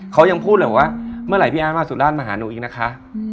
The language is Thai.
เขายังพูดเลยว่าเมื่อไหร่พี่อาร์ตมาสุราชมาหาหนูอีกนะคะ